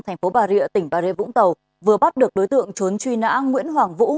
thành phố bà rịa tỉnh bà rê vũng tàu vừa bắt được đối tượng trốn truy nã nguyễn hoàng vũ